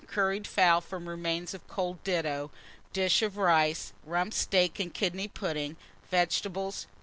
Curried fowl, from remains of cold ditto; dish of rice, Rump steak and kidney pudding, vegetables.